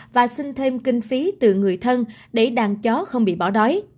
và xin thêm kinh phí từ người thân để đàn chó không bị bỏ đói